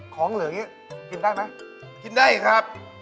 ของเหลือก็เนี่ยกินได้ไหมกินได้ครับ